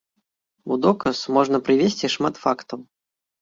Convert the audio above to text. У доказ можна прывесці шмат фактаў.